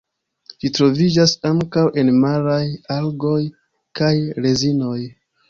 Ĝi troviĝas ankaŭ en maraj algoj kaj rezinoj.